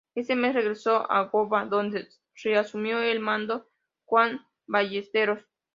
Ese mes regresó a Goya, donde reasumió el mando Juan Ballesteros.